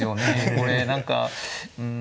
これ何かうん